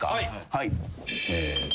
はい。